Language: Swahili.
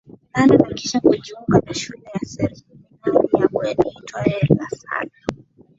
Nane na kisha kujiunga na shule ya Seminari ya Bweni iitwayo La Salle